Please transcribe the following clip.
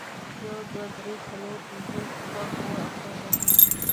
يو، دوه، درې، څلور، پينځه، شپږ، اووه، اته، نهه